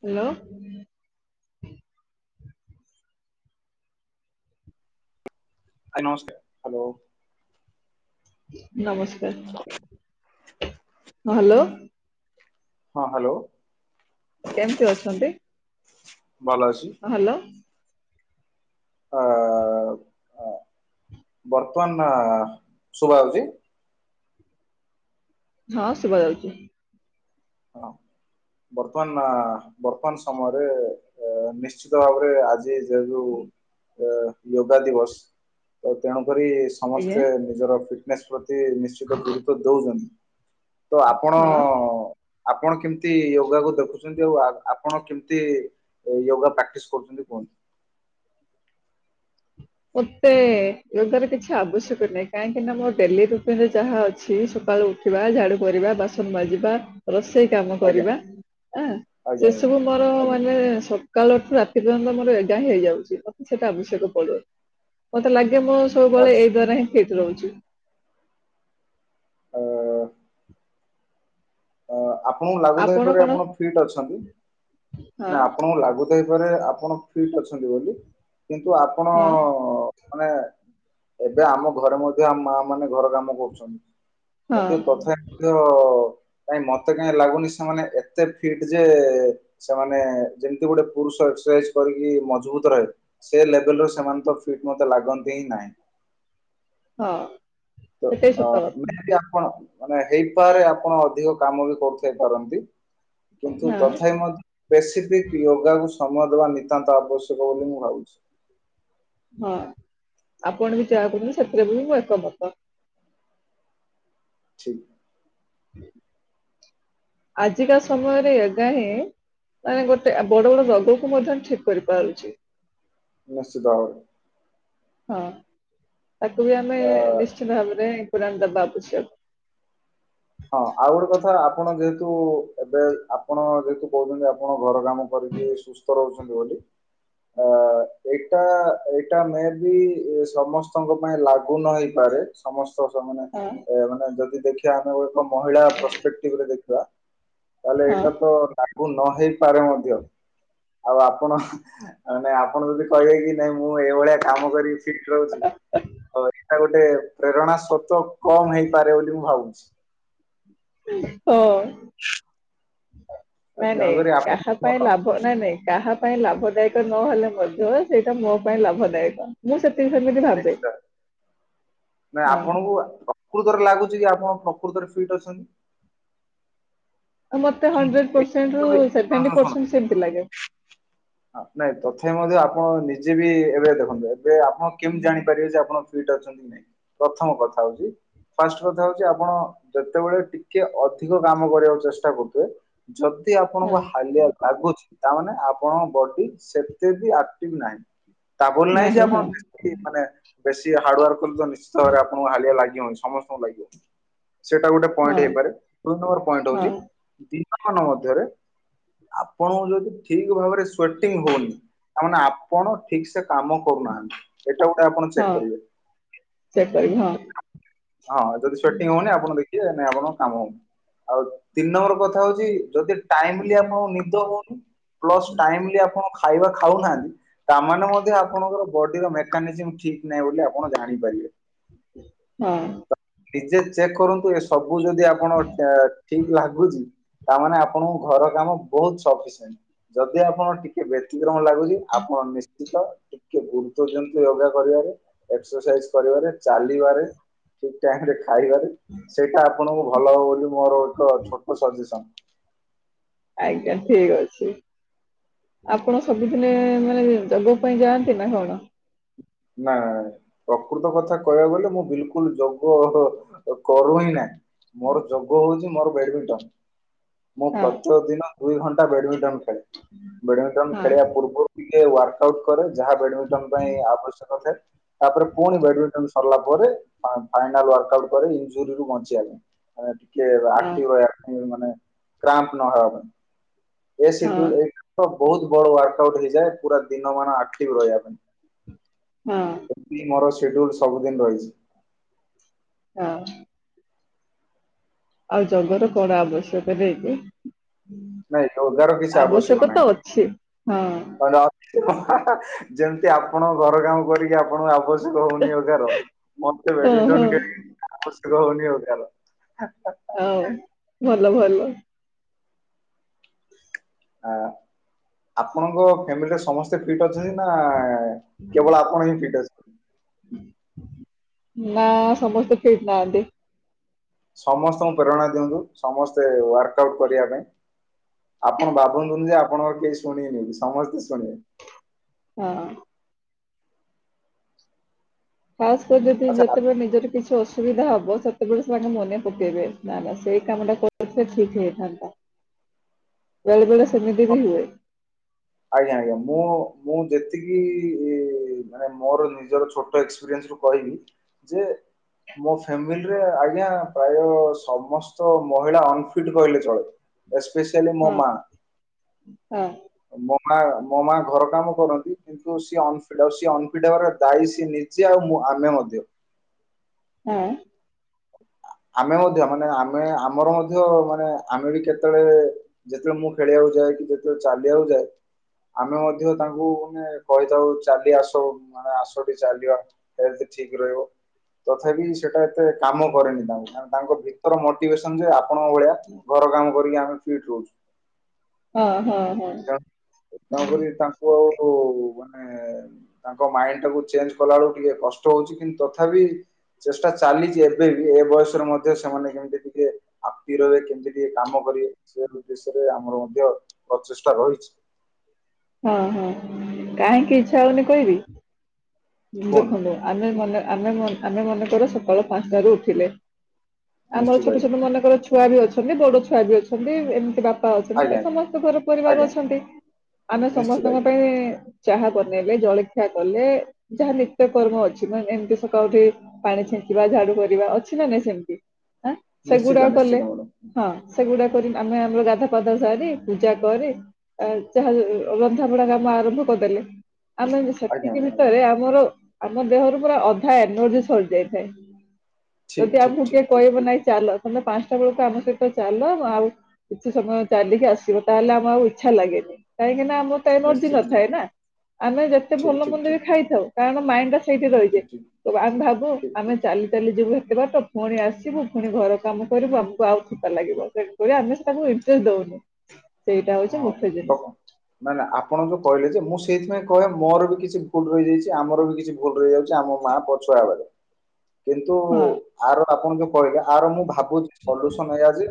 Hello ହ ନସ୍କାର, hello ଆ ନମସ୍କାର ହ ହ୍ୟାଲୋ ହଁ ହ୍ୟାଲୋ କେମିତି ଅଛନ୍ତି? ଭଲ ଅଛି। ହଁ ହ୍ୟାଲୋ ଅ ବର୍ତ୍ତମାନ ଶୁଭା ହଉଛି? ହଁ ଶୁବା ଯାଉଛି। ହଁ ବର୍ତ୍ତମାନ ବର୍ତ୍ତମାନ ସମୟରେ ନିଶ୍ଚିତ ଭାବରେ ଆଜି ସେ ଯୋଉ ଅ ଯୋଗା ଦିବସ ତ ତେଣୁ କରି ଆଜ୍ଞା ସମସ୍ତେ ନିଜର। [unintelligible] ସେ ନିଶ୍ଚିତ ଗୁରୁତ୍ୱ ଦଉଛନ୍ତି। ତ ଆପଣ ଅ ହଁ। ଅ ଆପଣ କେମିତି ୟୋଗା କ ଦେଖୁଛନ୍ତି ଆଉ ଆପଣ କେମତି ୟୋଗା ପ୍ରାକ୍ଟିସ କରୁଛନ୍ତି କୁହନ୍ତୁ? ମତେ ଯୋଗ ର କିଛି ଆବଶ୍ୟକ ନାହିଁ କାହିଁକି ନା ମୋ ଡେଲି ରୁଟିନରେ ଯାହା ଅଛି ସକାଳୁ ଉଠିବା ଝାଡୁ କରିବା ବାସନ ମାଜିବା ରୋ ଷେଇ କାମ ଆଜ୍ଞା କରିବା ଆ ଆଜ୍ଞା ଆଜ୍ଞା ସେସବୁ ମୋର ଆଜ୍ଞା ମାନେ ସ କାଲି ଅର୍ଠୁ ରାତି ପର୍ଯ୍ୟନ୍ତ ଆମର ଏଗାଁ ହେଇଯାଉଛି ମତେ ସେଟା ଆଶ୍ୟକ ପଡୁନି। ମତେ ଲାଗେ ମୁଁ ସବୁଳେ ଆଚ୍ଛା। ଏଇ ଦ୍ୱାରା ହିଁ ଫିଟ। ରହୁଛି। [inaudible] ହଁ ଅ। ହଁ। ଆପଣଙ୍କୁ ଲାଗୁଥାଇପାରେ ଆପଣ ଫିଟ ଅଛନ୍ତି ହଁ ନା ଆପଣଙ୍କୁ ଲାଗୁଥାଇପାରେ ଆପଣ ଫିଟ ଅଛନ୍ତି ବୋଲି କିନ୍ତୁ ଆପଣ ହଁ ଅ ଅ ମାନେ ଏବେ ଆମ ଘର ମ ଆ ମା ମାନେ ଘର କାମ କରୁଛନ୍ତି। ହଁ କିନ୍ତୁ ତଥାପି ତ କାଇହିଁ ମତେ କାହିଁ ଲାଗୁନି ସେମାନେ ଏତେ ଫିଟ ଯେ ସେମାନେ ଯେମିତି ଗୋଟେ ପୁରୁଷ ଏକ୍ରସାଇଜ କରିକି ମଜବୁତ ରହେ ସେ ଲେବଲରୁ ସେମାନେ ତ ଫିଟ ମତେ ଲାଗନ୍ତି ହିଁ ନାହିଁ। [inaudible] ହଁ। ତ ସେଟା ସତ ଅତି ଆପଣ ମାନେ ହେଇପାରେ ଆପଣ ଅଧିକ କାମ ବି କରୁଥାଇ ପାରନ୍ତି। କିନ୍ତୁ କଥା ହଁ। ତଥାପି ମ। [unintelligible] ସମୟ ଦେବା ନିତାନ୍ତ ଆବଶ୍ୟକ। ଭଲ ବୋଲି ମୁଁ ଭାବୁଛି। ହଁ ଆପଣ ବି ଯାହା କରୁଛନ୍ତିୁ ସେଥିରେ ବି ମୁଁ ଏକମତ। ଠିକ। [inaudible] ଆଜିକା ସମୟରେ ଏଗା ହିଁ ମାନେ ଗୋଟେ ବଡ ବଡ ରୋଗକୁ ମଧ୍ୟ ଠିକ କରିପାରୁଛି। ନିଶ୍ଚିତ ଭାବରେ। ହଁ। ତାକୁ ବି ଆମେ ନିଶ୍ଚିତ ଭାବରେ। [unintelligible] ହଁ ଆଉ ଗୋଟେ କଥା ଆପଣ ଯେହେତୁ ଏବେ ଆପଣ ଯେହେତୁ କହୁଛନ୍ତି ଆପଣ ଘର କାମ କରିକି ସୁସ୍ଥ ରହୁଛନ୍ତି ବୋଲି ଆ ଏଇଟା ଏଇଟା ମ ବି ସମସ୍ତଙ୍କ ପାଇଁ ଲାଗୁ ଲାଗୁ ନ ହେଇପାରେ ସମସ୍ତ ମାନେ ହଁ ମାନେ ଯଦି ଦେଖିବାଆ ଆମେ ଗୋ ମହିଳା ପରସପେକ୍ଟିଭରେ ଦେଖିବା। ତାହଲେ ହଁ ଏଇଟ ତ। ଲାଗୁ ନ ହେଇପାରେ ମଧ୍ୟ ଆଉ ଆପଣ ମାନେ ଆପଣ ଯଦି କହିବେ କି ନାଇଁ ମୁଁ ମୁଁ ଏଇଭଳିଆ କାମ କରି ଫିଟ୍ ରହୁଛିଉ ଗୋଟେ ପ୍ରେରଣା ସତ ତ କମ ହେଇପାରେ ବୋଲି ମୁଁ ଭାବୁଛି। ହୁଁ। ହଁ ଆଉ ନାଇଁ ନାଇଁ ତେଣୁକରି ଆପଣ କାହା ପାଇଁ ଲାଭ ନାଇଁ ନାଇଁ କାହା ଲାଭଦାୟକ ନହଲେ ମଧ୍ୟ ସେଇଟା ମୋ ପାଇଁ ଲାଭଦାୟକ ମୁଁ ସେ ସେ ସେମିତି ଭାବେ। ନିଶ୍ଚିତ ନା ହଁ ଆପଣଙ୍କୁ ପ୍ରକୃତରେ ଲାଗୁଛି କି ଆପଣ ପ୍ରକୃତରେ ଫିଟ ଅଛନ୍ତି? ମତେ ହଣ୍ଡେଡ କି? ପରସେଣ୍ଟ ରୁ ହଁ ସେଭେଣ୍ଟି ହଁ ଶୁଣ ପରସେଣ୍ଟ ସେମତି ଲାଗେ। ନାଇଁ ତଥାପି ମଧ୍ୟ ଆପଣ ନିଜେ ବି ଏବେ ଦେଖନ୍ତୁ ବ ଆପଣ କେମିତି ଜାଣିପାରିବେ ଯେ ଆପଣ ଫିଟ୍ ଅଛନ୍ତି ବୋ- ପ୍ରଥମ କଥା ହଉଛି ଫାଷ୍ଟ କଥା ହଉଛି ଆପଣ ଯେତେବେଳେ ଟିକେ ଅଧିକ କାମ କରିବାକୁ ଚେଷ୍ଟା କରୁ ଯଦି ହଁ ଆପଣଙ୍କୁ ହାଲିଆ ଲାଗୁଛି ତାମାନେ ଆପଣଙ୍କ ବଡି ସେତେ ବି ଆକ୍ଟିଭ ନାହିଁ। ତା ବୋଲି ନାଇଁ ଯେ ନାହିଁ ଆପଣ ହଁ ବେଶି ମାନେ ବେଶୀ ହାର୍ଡୱାର୍ ନିଶ୍ଚତ ଭାବେ ଆପଣଙ୍କୁ ହାଲିଆ ଲାଗେ ହଁ ସମସ୍ତଙ୍କୁ ଲାଗିବ। ସେଇଟା ଗୋଟେ ପଏଣ୍ଟ ହଁ ହେଇପାରେ ଦୁଇ ନମ୍ବର ପଏଣ୍ଟ ହଁ ହଉଛି। ଦିନ ମାନ ମଧ୍ୟରେ ଆପଣଙ୍କୁ ଯଦି ଠିକ ଭାବରେ ସ୍ୱର୍ଟିଂ ହୁଅନି। ତା ମାନେ ଆପଣ ଠିକ ସେ କାମ କରୁନାହାନ୍ତି ଏଇଟା ଗୋଟେ ଆପଣ ଚେକ ହଁ କରିବେ ଚେକ୍ କରିବି ହଁ ହଁ ଯଦି ସେଟିଂ ହଉନି ଆପଣ ଦେ କିଏ ଜାଣି ଆପଣଙ୍କ କାମ ଆଉ ତିନ ନମ୍ବର ନ କଥା ହଉଛି ଯଦି ଟାଇମିଲ୍ ଆପଣଙ୍କୁ ନିଦ ହଉନି ପ୍ଲସ ଟାଇମିଲ୍ ଆପଣ ଖା ଖାଇବା ଖାଉନାହାନ୍ତି ତାମାନେ ମଧ୍ୟ ଆପଣଙ୍କର ବଡିର ମେକାନିଜିମ୍ ଠିକ ନାହିଁ ବୋଲି ଆପଣ ଜାଣିପାରିବେ। ହଁ। ନିଜେ ଚେକ୍ କରନ୍ତୁ ଏସ୍ ସବୁ ଯଦି ଆପଣ ଏ ଠିକ ଲାଗୁଛି ତ ତାମାନେ ଆପଣଙ୍କ ଘର କାମ ବହୁତ ସଫିସେଣ୍ଟ ଯଦି ଆପଣ ଟିକେ ବେଦି ତେ ଲାଗୁଛି ଆପଣ ନିଶ୍ଚି ତ ଟିକେ ଗୁରୁତ୍ଵ ଦିଅନ୍ତୁ ୟୋଗା କରିବାରେ, ଏକ୍ସରସାଇଜ କରିବାରେ, ଚାଲିବାରେ ଟୁ ତାହେଲେ ଖାଇବାରେ ସେଇଟା ଆପଣଙ୍କୁ ଭଲ ହବ ବୋଲି ମୋର ଗୋଟେ ଛୋଟ ସଜେସନ। ଆଜ୍ଞା ଠିକ ଅଛି। ଆପଣ ସବୁଦିନେ ମାନେ ଯୋଗ ପାଇଁ ଯାଆନ୍ତି ନା କଣ? ନା ପ୍ରକୃତ କଥା କହିବାକୁ ଗଲେ ମୁଁ ବିଲକୁଲ ଯୋଗ ଅ କରୁ ହିଁ ନାଇଁ। ମୋର ଯୋଗ ହଉଛି ମୋର ବ୍ୟାଡ଼ମିଣ୍ଟନ। ମୁଁ ହଁ ପ୍ରତେକ ଦିନ ଦୁଇଘଣ୍ଟା ବ୍ୟାଡମିଣ୍ଟନ ଖେଳେ ବେଡମିଣ୍ଟନ ହଁ ଖେଳିବା ପୂର୍ବରୁ ଟିକେ ୱାର୍କ ଆଉଟ କରେ। ଯାହା ବ୍ୟାଡମିଣ୍ଟନ ପାଇଁ ଆବଶ୍ୟକ କରେ ତାପରେ ପୁଣି ବ୍ୟାଡମିଣ୍ଟନ ସରିଲା ପରେ, ଅ ଫାଇନାଲ ୱାର୍କ ଆଉଟ କରେ ଇଞ୍ଜୀରୁ ବଞ୍ଚିବା ହଁ ପାଇଁ‌‍‌ [unintelligible] ମାନେ କ୍ରାମ୍ପ ନହବା ପାଇଁ। ଏ ହଁ ସ୍ୟୁଡଲ ଏ ତ ବହୁତ ବଡ ଆର୍ଟ। କୋୖର୍ଟକୁ ଯାଏ ପୁରା ଦିନ ମାନ ଆଖ୍ଟିବ ରହିବା ପାଇଁ। ହଁ। ସେଡ୍ୟୁଲ୍ ସବୁଦିନ ରହିଛି। ହଁ ଆଉ ଜଙ୍ଗର କଡା ଆବଶ୍ୟକ ହେଇକି ନାଇଁ ୟୋଗାର କିଛି ଆବଶ୍ୟକ ନାହିଁ। ଅଛି ହଁ ଯେମିତି ଆପଣ ଘର କାମ କରିକି ଆପଣଙ୍କୁ ଆବଶ୍ୟକ ହଉନି ଏଗାର ମତେ ହଁ ହଁ ବ୍ୟାଟମିଟନ ଖେଳି ଆବଶ୍ୟକ ର ହଉନି ରୋଜଗାର। ହଉ ଭଲ ଭଲ। ହୁଁ। ଆ ଆପଣଙ୍କ ଫ୍ୟାମିଲିରେ ସମସ୍ତ। ଫିଟ୍ ଅଛନ୍ତି ନା କେବଳ ଆପଣ ହିଁ ଫିଟ୍ ଅଛନ ନା ସମସ୍ତେ ଫିଟ୍ ନାହାନ୍ତି। ସମସ୍ତଙ୍କୁ ପ୍ରେରଣା ଦିଅନ୍ତୁ ସମସ୍ତେ ୱାର୍କ ଆଉଟ କରିବା ପାଇଁ ଆପଣ ଭାବନ୍ତୁନି ଯେ ଆପଣଙ୍କର କେହି ଶୁଣି ବେନି ସମସ୍ତେ ଶୁଣିବେ। ହଁ। ଖାସ୍ କରି ଯଦି ଆଚ୍ଛା ଯେତେବେଳେ ନିଜର କିଛି ଅସୁବିଧା ହବ ବାସସେତେବେଳେ ସେଙ୍କେ ମନେ ପକେଇବେ ନା ନା ସେଇ କାମ ଟା କରଥିଲେ ଠିକ ହେଇଥାନ୍ତା ବେଳେ ବେଳେ ଶମିଧି ବି ହୁଏ। ଆଜ୍ଞା ଆଜ୍ଞା ମୁଁ ମୁଁ ଯେତିକି ମାନେ ମୋର ନିଜର ଛୋଟ ଏକ୍ସପିରିଏସ କହିବି ଯେ ମୋ ଫାମିଲିରେ ଆଜ୍ଞା ପ୍ରାୟ ସମସ୍ତ ମହିଳା ଅନଫିଟ କହିଲେ ଚଳେ। ଏସପେସିୟାଲି ହଁ ମୋମା। ହଁ ମ ମା ମୋ ମା ଘର କାମ କରନ୍ତି କିନ୍ତୁ ସିଏ ଅନିଟଉ ସିଏ ଅନଫିଟ ହେବାରେ ଦାୟୀ ସିଏ ନିଜେ ଆଉ ମୁଁ ଆମେ ମଧ୍ୟ। ହଁ। ଆମେ ମଧ୍ୟ ମାନେ ଆମେ ଆମର ମଧ୍ୟ ମାନେ ଆମେ ବି କେତେବେଳେ ଯେତେବେଳେ ମୁଁ ଖେଳିବାକୁ ଯାଏ କି ଯେତେବେଳେ ଚାଲିବାକୁ ଯାଏ ଆମେ ମଧ୍ୟ ତାଙ୍କୁ ମାନେ କହିଥାଉ ଚାଲି ଆସ ମାନେ ଆସ ଚାଲିବା ହେଲ୍ଥ ଠିକ ରହିବ ତଥାପି ସେଇଟା ଏତେ କାମ କରେନି ତାଙ୍କୁ କାର ତାଙ୍କ ଭିତର ମୋଟିଭେସନ ଯେ ଆପଣଙ୍କ ଭଳିଆ ଘର କାମ ବୋଲି ଆମେ ଫିଟ୍ ରହୁଛୁ। ହଁ ହଁ ହଁ ନ କରି ତାଙ୍କୁ ଆଉ ଆଉ ମାନେ ତାଙ୍କ ମାଇଣ୍ଡ ଟାକୁ ଚେଞ୍ଜ କଲା ବେଳକୁ ଟିକେ କଷ୍ଟ ହଉଛି କିନ୍ତୁ ତଥାପି ଚେଷ୍ଟା ଚାଲିଛି ଏବେ ବି ଏ ବୟସରେ ମଧ୍ୟ ସେମାନେ କେମିତି ଟିକେ ଆପ୍ତି ରହିବେ କେମିତି ଟିକେ କାମ କରିବେ ସେ ଉଦ୍ଦେଶ୍ୟରେ ଆମର ମଧ୍ୟ ପ୍ରଚେଷ୍ଟ ରହିଛି ହଁ ହଁ କାହିଁକି ଇଛା ହଉନି କହିବି କୁହନ୍ତୁ ଦେଖନ୍ତୁ ଆମେ ଗଲେ ଆମେ ମନେ ଆମେ ମନେକର ସକାଳ ପାଞ୍ଚଟାରୁ ଉଠିଲେ ଆମର ନିଶ୍ଚିତ ଛୋଟ ଆଜ୍ଞା ଛୋୁ ମନେ କରୁଛୁ। ଛୁଆ ବି ଅଛନ୍ତି ବଡ଼ ଛୁଆ ବି ଅଛନ୍ତି ଏମିତି ବାପ୍ ବାପା ଅଛନ୍ତି ବା ଆଜ୍ଞା ସମସ୍ତେ ଘର ପରିବାର ଆଜ୍ଞା ଅଛନ୍ତି। ନିଶ୍ଚିତ ସମସ୍ତଙ୍କ ଆଜ୍ଞା ପାଇଁ ଚାହା ବନେଇବେ ଜଳଖିଆ କଲେ ଯାହା ନିତ୍ୟକର୍ମ ଅଛି ମେ ଏମିତି ସକାଳୁ ଉଠି ପାଣି ଛିଞ୍ଚିବା ଝାଡୁ କରିବା ଅଛି ନା ନାହିଁ ସେମିତି ନିଶ୍ଚିତ ସେଗୁଡାକ କଲେ ନିଶ୍ଚିତ ମ୍ୟାଡ଼ାମ ହଁ ସେଗୁଡା ହଁ କରି ଆମେ ଆମର ଗାଧୁଆ ପାଧୁଆ ସାରି ପୂଜା କରେ ଆ ଝାଲ୍ ମୁଁ ଆରମ୍ଭ କରିଦେଲି ଆମେ ଆଜ୍ଞା ସେତିକି ମ୍ୟାଡ଼ାମ ଆଜ୍ଞା ଭିତରେ ଆମର ଆମ ଦେହରୁ ପୁରା ଅଧା ଏନର୍ଜି ସରି ଯାଇଥାଏ ଠିକ ଯଦି ଠିକ ଏକୁ ଠିକ କିଏ ଠିକ କହିବ ଠିକ ନାଇଁ ଚାଲ ତାଲେ ପାଞ୍ଚଟା ବେଳକୁ ଆମ ସହିତ ଚାଲ ଆଉ କିଛି ସମୟ ଚାଲିକି ଆସିବ ତାହେଲେ ଆମ ଆଉ ଇଚ୍ଛା ଲାଗେନି କାହିଁକି ନା ଆମର ତ ଏନର୍ଜି ନିଶ୍ଚିତ ନଥାଏ ନା ନିଶ୍ଚିତ ଆମେ ଯେତେ ଠିକ ଭଲ ଠିକ ମନ୍ଦ ବି ଠିକ ଠିକ ଖାଇଥାଉ। କାରଣ ମାଇଣ୍ଡଟା ସେଇଠି ରହିଛେ ଠିକ ତ ଭା ଭାବୁ ଠିକ ଠିକ ଆମେ ଠିକ ଚାଲି ଚାଲି ଯିବୁ ଏବର୍ଷ ପୁଣି ଆସିବୁ ପୁଣି ଘର କାମ କରିବୁ ଆମକୁ ଆଉ ଛତା ଲାଗିବ ତେଣୁକରି ଆମେ ତାଙ୍କୁ ଇନ୍ତ୍ରେଷ୍ଟ୍ ଦଉନୁ ସେଇଟା ହଉଛି ମୁଖ୍ୟ ଜିନିଷ ମାନେ ଆପଣ ଯୋଉ କହିଲେ ଯେ ମୁଁ ସେଇଥିପାଇଁ କହେ ମୋର ବି କିଛି ଭୁଲ ରହିଯାଇଛି ଆମର ବି କିଛି ଭୁଲ ରହିଯାଉଛି ଆମ ମା ପଛୁଆ ବେଳେ କିନ୍ତୁ ହଁ। ଆର ଆପଣ ଯଉ କହିଲି ଆର ମୁଁ ଭାବୁଛି ସଲୁସନ ଏଇଆ ଯି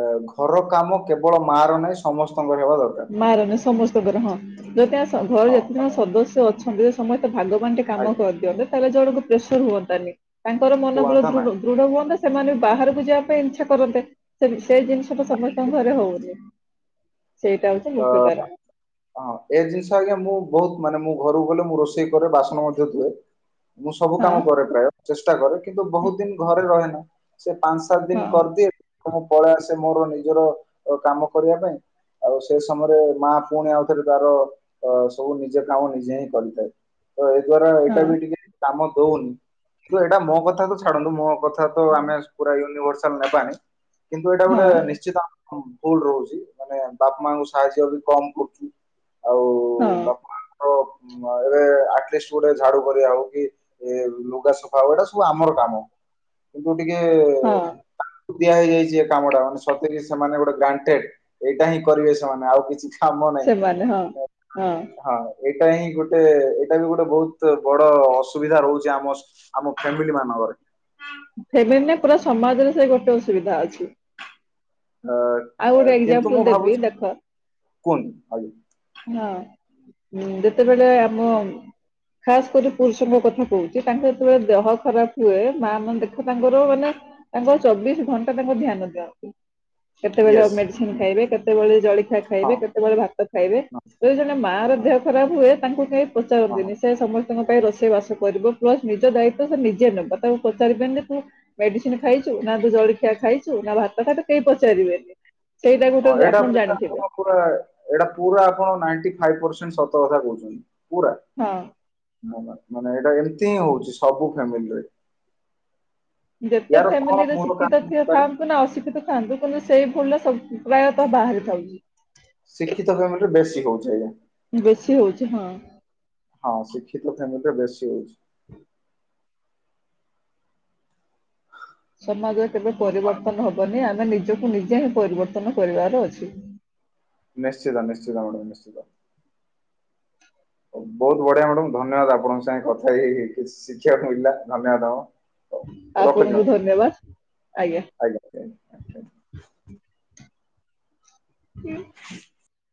ଆ ଘର କାମ କେବଳ ମା ର ନାହିଁ ସମସ୍ତେ ମାରଣ ସମସ୍ତଙ୍କର ହଁ ଯତେ ଆ ଘରେ ହଁ ଯେତେ ଜଣ ମାନେ ସଦସ୍ୟ ଅଛନ୍ତି ସେ ସମସ୍ତ ଭାଗବାନ ଟେ କାମ ଆଜ୍ଞା କରିଦିଅନ୍ତତା ତାହେଲେ ଜଣକୁ ପ୍ରେସର ହୁଅନ୍ତାନି। ତାଙ୍କର ମନବଳ କୁହନ୍ତା ନାହିଁ ଦୃଢ଼, ଦୃଢ଼ ହୁଅନ୍ତା। ସେମାନେ ବି, ବାହାରକୁ ଯିବା ପାଇଁ ଇଚ୍ଛା କରନ୍ତେ, ସେ ସେଇ ଜିନିଷ ଟା ସମସ୍ତଙ୍କ ଘରେ ହଉନି। ସେଇଟା ହଉଛି ତ ମୁଖ୍ୟ କାରଣ ହଁ ଏ ଜିନିଷ ଆଜ୍ଞା ମୁଁ ବହୁତ ମାନେ ମୁଁ ଘରକୁ ଗଲେ ମୁଁ ରୋଷେଇ କରେ ବାସନ ମଧ୍ୟ ଧୂଏ। ମୁଁ ସବୁ କାମ ହଁ। କରେ ପ୍ରାୟ, ଚେଷ୍ଟା କରେ, କିନ୍ତୁ ବହୁତ ଦିନ ଘରେ ରହେ ନା। ସେ ପାନ୍ସ୍ ସାତ୍ ଦିନ ହଁ କରିଦିଏ, ଫୁଣି ପଳେଇ ଆସେ। ସେ ମୋର ନିଜର, କାମ କରିବା ପାଇଁ ଆଉ। ସେ ସମୟରେ, ମା ପୁଣି ଆଉଥରେ ତାର, ଅ ସବୁ ନିଜ କାମ ନିଜେ ହିଁ କରିଥାଏ। ତ ଏ ଦ୍ଵାରା ଏଇଟା ହଁ ବି ଟିକେ କାମ ଦଉନି। କିନ୍ତୁ ଏଇଟା ମୋ କଥା ତ ଛାଡନ୍ତୁ, ମୋ କଥା। ଥା ତ ଆମେ ପୁରା ୟୁନିଭର୍ସ। ଚଲା ପାଣି। କିନ୍ତୁ ଏଇଟା ଗୋଟେ ହଁ ନିଶ୍ଚିତ। ହ ଭୁଲ ରହୁଛି, ମାନେ ବାପା, ମାଙ୍କଙ୍କୁ ସାହାଯ୍ୟ ବି କମ କରୁଛୁ। ଆଉ ହଁ ବାପା ମା। ଓ ଏବେ ଆଟଲିଷ୍ଟ ଗୋଟେ ଝାଡୁ କରିବା ହଉ କି ଲୁଗା ସଫା [unintelligible] ସବୁ ଆମର କାମ। ଏବଂ। ଟିକେ ହଁ ଏ ଦିଆ ହେଇଯାଇଛି ଏ କାମ ଟା ସତେକି ସେମାନେ ଗୋଟେ ଗ୍ରଣ୍ଟେଡ ଏଇଟାିଁ କରିବେ ସେମାନେ ଆଉ କିଛି କାମ ନାହିଁ ସେମାନେ ହଁ ହଁ। ଏଇଟା ହିଁ ଗୋଟେ ଏଇଟା ବି ଗୋଟେ ବହୁତ ବଡ ଅସୁବିଧା ରହୁଛି ଆମ ଆମ ଫ୍ୟାମିଲି ମାନଙ୍କରେ। ଫେମିଲି ନାଇଁ ପୁରା ସମାଜରେ ସେ ଗୋଟେ ଅସୁବିଧା ଅଛି। ଅ, ଆଉ ଅ, ଗୋଟେ କିନ୍ତୁ ଏକ୍ଜାମ୍ପଲ୍ ମୁଁ ଦେବି ଭାବୁଛି ଦେଖ କୁହନ୍ତୁ ଆଜ୍ଞା ହଁ। ଯେତେବେଳେ ଆମ ଖାସ କରି ପୁରୁଷଙ୍କ କଥା କହୁଛି ତାଙ୍କ ଯେତେବେଳେ ଦେହ ଖରାପ ହୁଏ ମା ମାନେ ଦେଖ ତାଙ୍କର ମାନେ ତାଙ୍କ ଚବିଶ ଘଣ୍ଟା ତାଙ୍କ ଧ୍ୟାନ ଦିଅନ୍ତି। କେତେବେଳେ ୟେସ୍ ମେଡିସିନ ଖାଇବେ କେତେବେଳେ ଜଳିଖିଆ ହଁ ଖାଇବେ କେତେବେଳେ ଭାତ ଖାଇବେ ହଁ ଯେବେ ଜଣେ ମା ର ହଁ ଦେହ ଖରାପ ହୁଏ ତାଙ୍କୁ କେହି ହଁ ହଁ ପଚାରନ୍ତିନି ସେ ସମସ୍ତେ ତାଙ୍କ ପାଇଁ ରୋଷେଇ ବାସ କରିବ ପ୍ଲସ ନିଜ ଦାୟିତ୍ଵ ସେ ନିଜେ ନେବ ତାକୁ ପଚାରିବେନ ଯେ ତୁ ମେଡିସିନ ଖାଇଛୁ ନା ତୁ ଜଳଖିଆ ଖାଇଛୁ ନା ଭାତ ଫାତ କେହି ପଚା ଚାରି ବେନି। ହଁ ଏଟା ଏଟା ପୁର ପୁରା ଆପଣ ନାଇଣ୍ଟି ଫାଇଭ ପରସେ ସତ କଥା କହୁଛନ୍ତି। କୋଉଟା ହଁ ନା ନା। ମାନେ ଏଇଟା ଏମିତି ହିଁ ହଉଛି ସବୁ ଫ୍ୟାମିଲିରେ। ଯେତେ ୟାର କଣ ଫ୍ୟାମିଲି ରେ ମୂଳ କାରଣ ଶିକ୍ଷିତ ଥା ହେଇପାରେ? ଥାଆନ୍ତୁ ନା ଅଶିକ୍ଷିତ ଥାଆନ୍ତୁ କିନ୍ତୁ ସେଇ ଭୁଲ ଟା ସବ ପ୍ରାୟତଃ ବାହାରିଥାଉଛି। ଶିକ୍ଷିତ ଫ୍ୟାମିଲିରେ ବେଶ୍ ସି ହଉଛ ଆଜ୍ଞା? ବେଶୀ ହଉଛି ହଁ। ହଁ ଶିକ୍ଷିତ ଫ୍ୟାମିଲିରେ ବେଶୀ ହୋଉଛି। ସମାଜରେ। କେବେ ପରିବର୍ତ୍ତନ ହବନି ଆମ ନିଜକୁ ନିଜେ ହିଁ ପରିବର୍ତ୍ତନ କରିବାର ଅଛି। ନିଶ୍ଚିତ ନିଶ୍ଚିତ ମ୍ୟାଡ଼ାମ ନିଶ୍ଚିତ। ବହୁତ ବଢିଆ ମ୍ୟାଡାମ ଧନ୍ୟବାଦ ଆପଣଙ୍କ ସାଙ୍ଗେ କଥା ହେଇ କିଛି ଶିଖିବାକୁ ମିଳିଲା ଧନ୍ୟବାଦ। ରଖୁଛି ଆପଣଙ୍କୁ ମ୍ୟାଡ଼ାମ ଧନ୍ୟବାଦ ଆଜ୍ଞା। ଆଜ୍ଞା। ଆଜ୍ଞା। ହୁଁ।